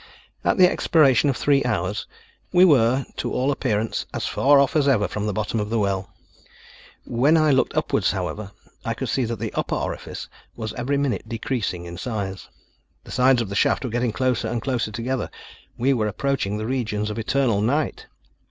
At the expiration of three hours, we were, to all appearance, as far off as ever from the bottom of the well. When I looked upwards, however, I could see that the upper orifice was every minute decreasing in size. The sides of the shaft were getting closer and closer together, we were approaching the regions of eternal night!